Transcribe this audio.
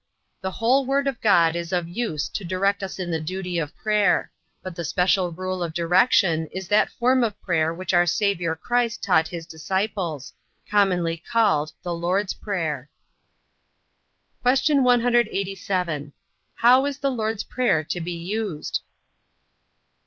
The whole Word of God is of use to direct us in the duty of prayer; but the special rule of direction is that form of prayer which our Savior Christ taught his disciples, commonly called The Lord's prayer. Q. 187. How is the Lord's prayer to be used?